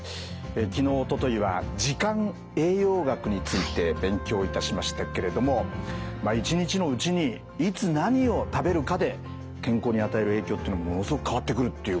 昨日おとといは時間栄養学について勉強いたしましたけれどもまあ一日のうちにいつ何を食べるかで健康に与える影響というのものすごく変わってくるっていうことなんですよね。